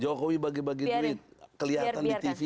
jokowi bagi bagi duit kelihatan di tv